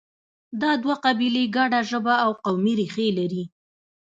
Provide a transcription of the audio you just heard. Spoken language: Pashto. دا دوه قبیلې ګډه ژبه او قومي ریښه لري.